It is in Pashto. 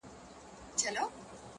• کارخانې پکښی بنا د علم و فن شي,